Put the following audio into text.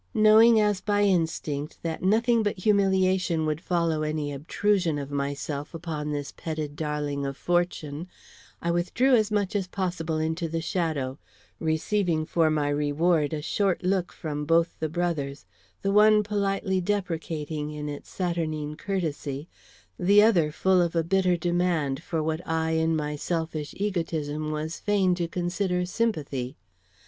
Knowing as by instinct that nothing but humiliation would follow any obtrusion of myself upon this petted darling of fortune, I withdrew as much as possible into the shadow, receiving for my reward a short look from both the brothers; the one politely deprecating in its saturnine courtesy, the other full of a bitter demand for what I in my selfish egotism was fain to consider sympathy.